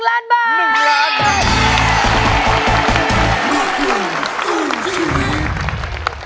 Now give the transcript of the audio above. ๑ล้านบาท